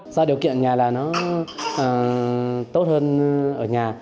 do điều kiện nhà là nó tốt hơn